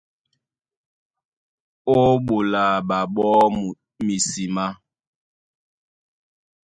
Ó ɓola ɓaɓó misimá.